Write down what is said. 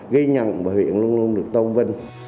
ghi nhận và huyện luôn luôn được tôn vinh